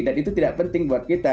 dan itu tidak penting buat kita